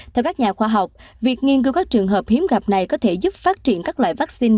theo các nhà khoa học việc nghiên cứu các trường hợp hiếm gặp này có thể giúp phát triển các loại vaccine